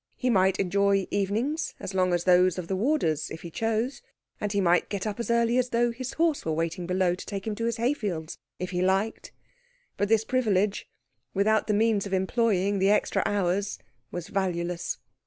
He might enjoy evenings as long as those of the warders if he chose, and he might get up as early as though his horse were waiting below to take him to his hay fields if he liked; but this privilege, without the means of employing the extra hours, was valueless.